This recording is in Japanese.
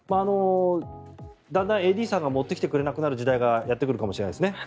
だんだんＡＤさんが持ってきてくれなくなる時代がやってくるかもしれないですね。